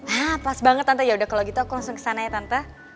hah pas banget tante yaudah kalau gitu aku langsung kesana ya tante